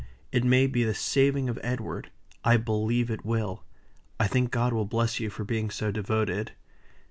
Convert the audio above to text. It may be the saving of Edward I believe it will. I think God will bless you for being so devoted."